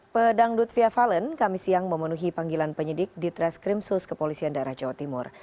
pedangdut fia fallen kami siang memenuhi panggilan penyidik ditres krimsus ke polisian daerah jawa timur